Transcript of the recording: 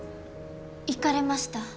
行かれました。